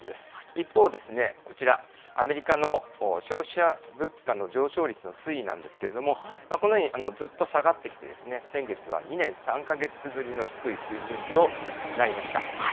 一方、こちら、アメリカの消費者物価の上昇率の推移なんですけれども、このようにずっと下がってきて、先月は２年３か月ぶりの低い水準となりました。